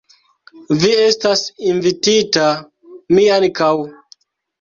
Vi estas invitita, mi ankaŭ.